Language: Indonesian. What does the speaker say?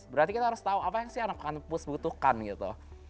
berarti kita harus tahu apa yang sih anak kampus butuhkan gitu